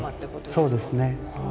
そうですね。